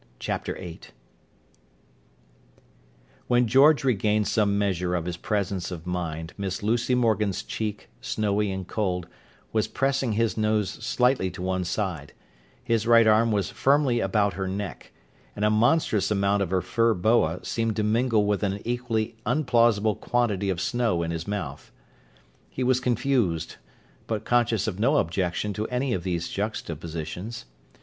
Chapter VIII When George regained some measure of his presence of mind, Miss Lucy Morgan's cheek, snowy and cold, was pressing his nose slightly to one side; his right arm was firmly about her neck; and a monstrous amount of her fur boa seemed to mingle with an equally unplausible quantity of snow in his mouth. He was confused, but conscious of no objection to any of these juxtapositions.